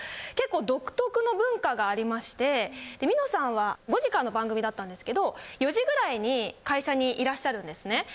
結構独特の文化がありましてみのさんは５時からの番組だったんですけど４時ぐらいに会社にいらっしゃるんですね。